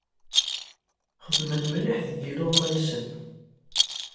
Xedmen mliḥ deg yiluɣma-nsen.